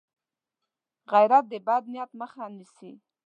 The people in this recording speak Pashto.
غیرت د بد نیت مخه نیسي